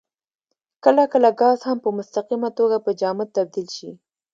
کله کله ګاز هم په مستقیمه توګه په جامد تبدیل شي.